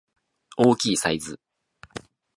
大きいサイズ